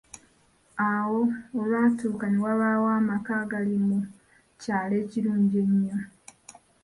Awo olwatuka ne wabaawo amaka agaali mu kyalo ekirungi ennyo.